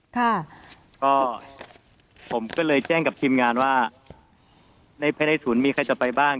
ค่ะก็ผมก็เลยแจ้งกับทีมงานว่าในภายในศูนย์มีใครจะไปบ้าน